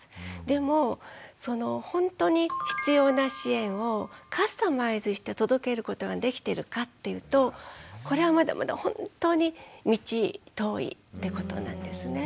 でもほんとに必要な支援をカスタマイズして届けることができてるかっていうとこれはまだまだ本当に道遠いってことなんですね。